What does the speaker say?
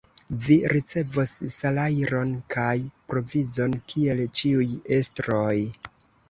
Vi ricevos salajron kaj provizon, kiel ĉiuj estroj!